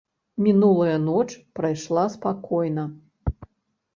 Мінулая ноч прайшла спакойна.